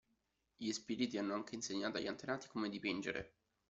Gli spiriti hanno anche insegnato agli antenati come dipingere.